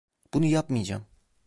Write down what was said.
Bunu yapmayacağım.